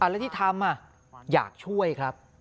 แล้วที่ทำอยากช่วยครับ